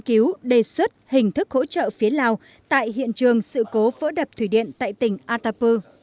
cứu đề xuất hình thức hỗ trợ phía lào tại hiện trường sự cố vỡ đập thủy điện tại tỉnh atapu